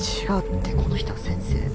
違うってこの人は先生。